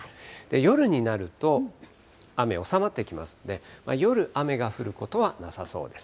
夜になると、雨収まってきますんで、夜、雨が降ることはなさそうです。